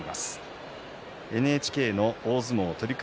ＮＨＫの大相撲の取組